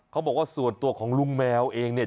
เขาบอกว่าส่วนตัวของลุงแมวเองเนี่ย